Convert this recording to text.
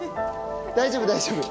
大丈夫大丈夫。